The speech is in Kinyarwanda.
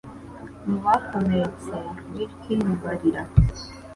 Mu bakomeretse welkin barira.